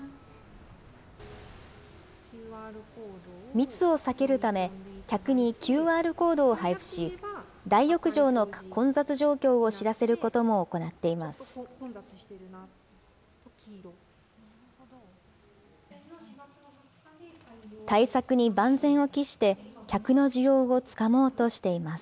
密を避けるため、客にＱＲコードを配布し、大浴場の混雑状況を知らせることも行っています。